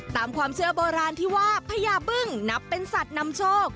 ตามความเชื่อโบราณที่ว่าพญาบึ้งนับเป็นสัตว์นำโชค